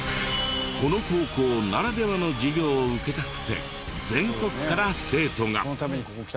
この高校ならではの授業を受けたくて全国から生徒が。